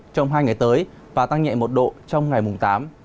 trong hai ngày tới và tăng nhẹ một độ trong ngày mùng tám